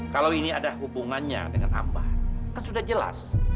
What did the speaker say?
kalau ini ada hubungannya dengan ambar kan sudah jelas